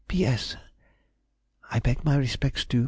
P.S.—I beg my respects to